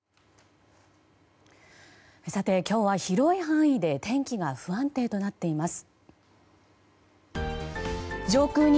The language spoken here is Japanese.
さて、今日は広い範囲で天気が不安定となっています。